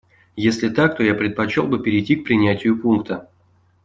Если так, то я предпочел бы перейти к принятию пункта.